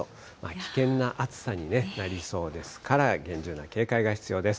危険な暑さになりそうですから、厳重な警戒が必要です。